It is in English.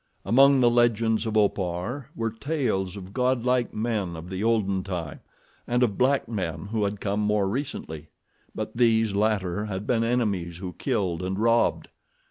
Among the legends of Opar were tales of godlike men of the olden time and of black men who had come more recently; but these latter had been enemies who killed and robbed.